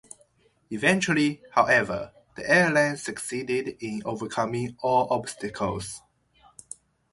Eventually, however, the airline succeeded in overcoming all obstacles.